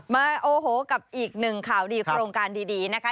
โอโหกับอีกหนึ่งข่าวดีโครงการดีนะคะ